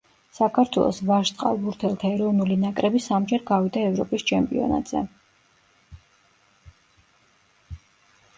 საქართველოს ვაჟ წყალბურთელთა ეროვნული ნაკრები სამჯერ გავიდა ევროპის ჩემპიონატზე.